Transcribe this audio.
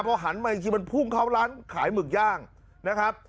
พอหันมาอีกทีมันพุ่งเข้าร้านขายหมึกย่างนะครับ